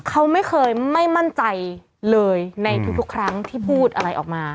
เขาไม่เคยไม่มั่นใจเลยในทุกครั้งที่พูดอะไรออกมา